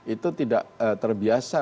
itu tidak terbiasa